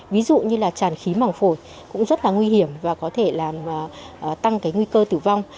ví dụ như là tràn khí mỏng phổi cũng rất là nguy hiểm và có thể làm tăng cái nguy cơ tử vong